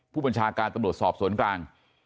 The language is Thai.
ผู้บัญชาการตำรวจสอบสวนกลาง